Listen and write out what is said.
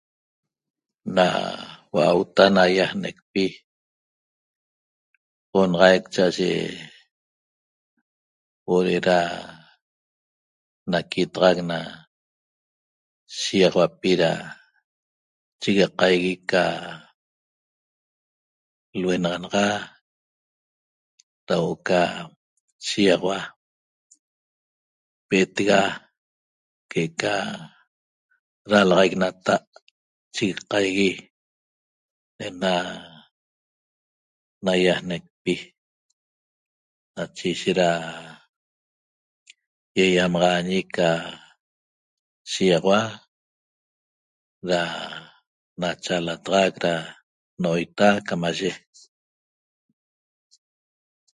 Na hua'auta naýajnecpi onaxaic cha'aye huo'o de'eda naquitaxac na shiýaxauapi da chigaqaigui ca luenaxanaxa da huo'o ca shiýaxaua pe'etega que'eca dalaxaic nata' chigaqaigui ne'ena naýajnecpi nache ishet da ýaýamaxaañi ca shiýaxaua da nachaalataxac da n'oita camaye